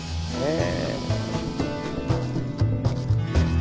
へえ。